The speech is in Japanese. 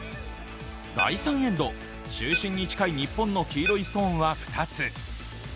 第３エンド、中心に近い日本の黄色いストーンは２つ。